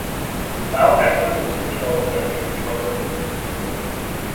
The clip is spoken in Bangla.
তাও ন্যাশনাল ইন্সটিটিউট অব হেলথ একটি সহজ রাস্তা খুঁজে বের করে।